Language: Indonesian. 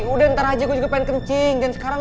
udah ntar aja gua juga pengen kencing